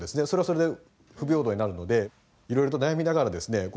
それはそれで不平等になるのでいろいろと悩みながらですね